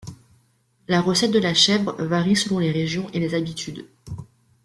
La recette de la chèvre varie selon les régions et les habitudes.